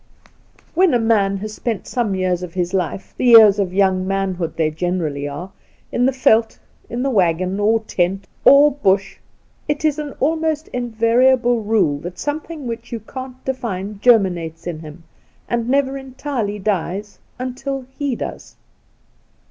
* it When a man has spent some years of his life — the years of young manhood they generally are — in the veld, in the waggon, or tent, or Bush, it is an almost invariable rule that something which you can't define germinates in him and never entirely dies until he does.